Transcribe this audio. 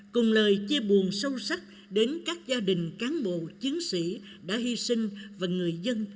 cùng lời chia buồn sâu sắc đến các gia đình cán bộ